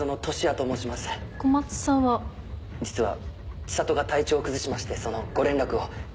実は知里が体調を崩しましてそのご連絡を。